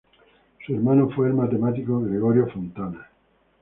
Su hermano fue el matemático Gregorio Fontana.